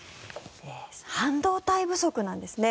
半導体不足なんですね。